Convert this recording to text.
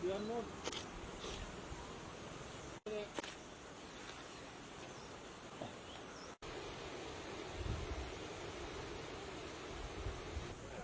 สุดท้ายเมื่อเวลาสุดท้าย